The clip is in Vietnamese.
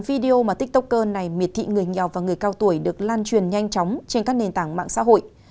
video mà tiktoker này miệt thị người nghèo và người cao tuổi được lan truyền nhanh chóng trên các nền tảng mạng xã hội